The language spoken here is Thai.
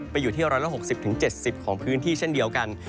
อยู่ที่๑๖๐๗๐ของพื้นที่เช่นเดียวกัน